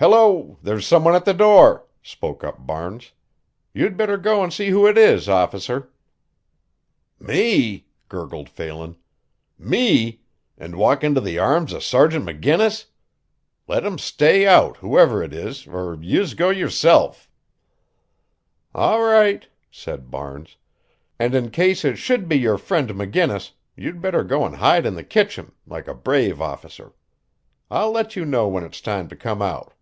"Hello! there's some one at the door," spoke up Barnes. "You'd better go and see who it is, Officer." "Me!" gurgled Phelan. "Me! an' walk into the arms o' Sergeant McGinnis. Let 'em stay out, whoever it is, or yez go yersilf." "All right," said Barnes, "and in case it should be your friend McGinnis you better go and hide in the kitchen, like a brave officer. I'll let you know when it's time to come out."